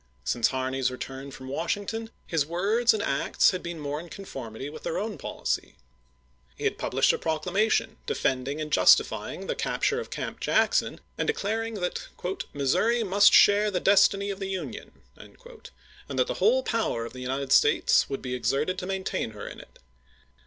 Since Harney's re turn from Washington his words and acts had been more in conformity with their own policy. He had published a proclamation defending and justifying 218 ABEAHAiVI LINCOLN Chap. XI. the Capture of Camp Jackson, and declaring that " Missouri must share the destiny of the Union," and that the whole power of the United States would be exerted to maintain her in it.